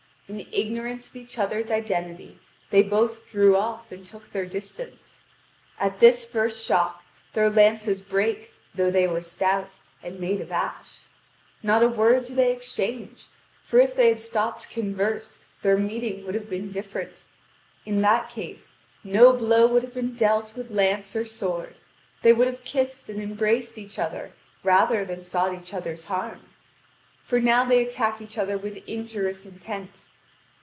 In ignorance of each other's identity, they both drew off and took their distance. At this first shock, their lances break, though they were stout, and made of ash. Not a word do they exchange, for if they had stopped to converse their meeting would have been different. In that case, no blow would have been dealt with lance or sword; they would have kissed and embraced each other rather than sought each other's harm. For now they attack each other with injurious intent.